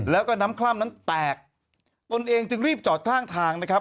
แล้วก็น้ำคล่ำนั้นแตกตนเองจึงรีบจอดข้างทางนะครับ